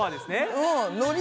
うん。